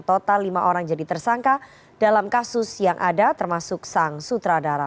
total lima orang jadi tersangka dalam kasus yang ada termasuk sang sutradara